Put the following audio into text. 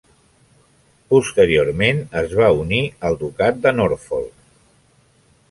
Posteriorment, es va unir al ducat de Norfolk.